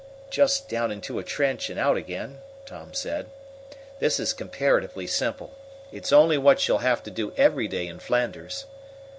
"Just down into a trench and out again." Tom said. "This is comparatively simple. It's only what she'll have to do every day in Flanders."